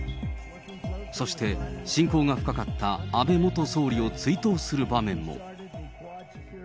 そして親交が深かった安倍元総理を追悼する場面も。